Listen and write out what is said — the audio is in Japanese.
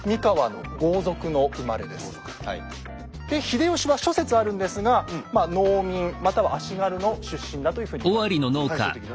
で秀吉は諸説あるんですが農民または足軽の出身だというふうに言われています。